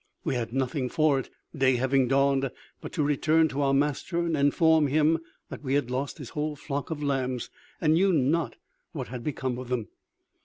We had nothing for it (day having dawned), but to return to our master, and inform him that we had lost his whole flock of lambs, and knew not what had become of them.